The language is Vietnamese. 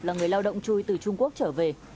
là người lao động chui từ trung quốc trở về